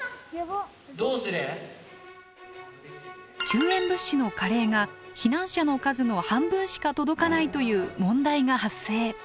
救援物資のカレーが避難者の数の半分しか届かないという問題が発生。